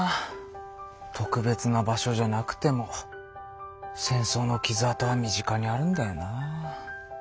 特別な場所じゃなくても戦争の傷痕は身近にあるんだよな。